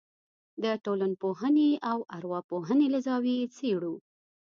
د ټولنپوهنې او ارواپوهنې له زاویې یې څېړو.